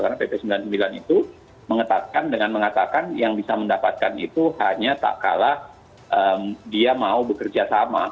karena pp sembilan puluh sembilan itu mengatakan dengan mengatakan yang bisa mendapatkan itu hanya tak kalah dia mau bekerja sama